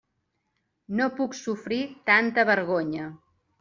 No puc sofrir tanta vergonya.